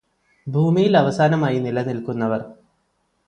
ഭൂമിയില് അവസാനമായി നിലനില്ക്കുന്നവര്